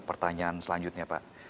pertanyaan selanjutnya pak